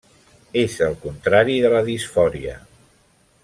És el contrari de la disfòria.